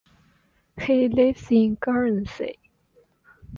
He lives in Guernsey.